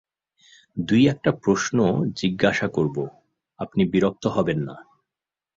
দুই-একটা প্রশ্ন জিজ্ঞাসা করব, আপনি বিরক্ত হবেন না।